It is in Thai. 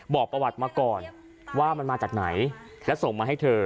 บอกประวัติมาก่อนว่ามันมาจากไหนและส่งมาให้เธอ